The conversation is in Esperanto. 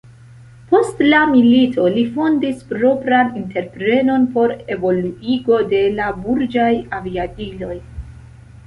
Post la milito, li fondis propran entreprenon por evoluigo de la burĝaj aviadiloj.